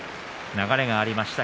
流れがありました。